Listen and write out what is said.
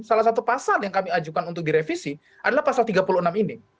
salah satu pasal yang kami ajukan untuk direvisi adalah pasal tiga puluh enam ini